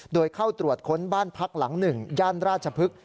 โดยเข้าตรวจค้นบ้านพักหลัง๑ย่านราชพฤกษ